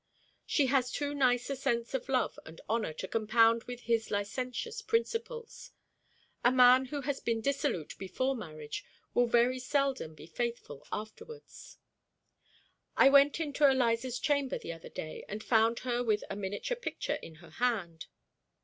She has too nice a sense of love and honor to compound with his licentious principles. A man who has been dissolute before marriage will very seldom be faithful afterwards. I went into Eliza's chamber the other day, and found her with a miniature picture in her hand.